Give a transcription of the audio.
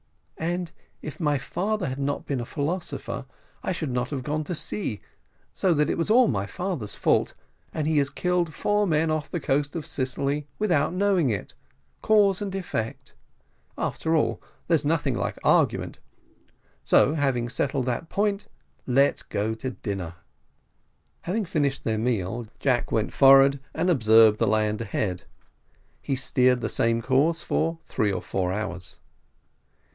"And if my father had not been a philosopher, I should not have gone to sea; so that it is all my father's fault, and he has killed four men off the coast of Sicily, without knowing it cause and effect. After all, there's nothing like argument; so having settled that point, let us go to dinner." Having finished their meal, Jack went forward and observed the land ahead; they steered the same course for three or four hours.